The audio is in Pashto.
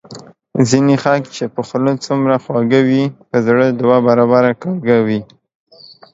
ځینی خلګ چي په خوله څومره خواږه وي په زړه دوه برابره کاږه وي